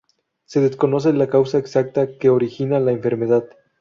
Se desconoce la causa exacta que origina la enfermedad.